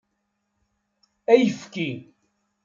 Ayefki.